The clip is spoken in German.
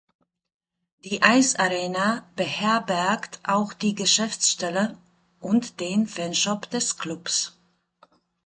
Die Eisarena beherbergt auch die Geschäftsstelle und den Fanshop des Clubs.